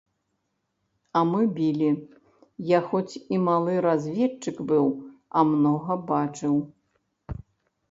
А мы білі, я хоць і малы разведчык быў, а многа бачыў.